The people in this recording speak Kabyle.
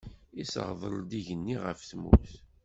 Iseɣḍel-d igenni ɣef tmurt.